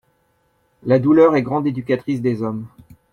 La douleur est la grande éducatrice des hommes.